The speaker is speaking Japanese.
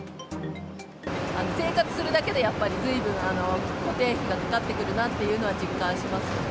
生活するだけでやっぱりずいぶん、固定費がかかってくるなというのは実感しますね。